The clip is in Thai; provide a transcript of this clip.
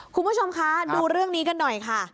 คุณผู้ชมคะดูเรื่องนี้กันหน่อยค่ะ